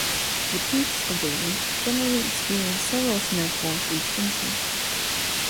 The peaks of the range generally experience several snowfalls each winter.